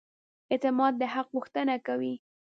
اعتماد د حق غوښتنه کوي.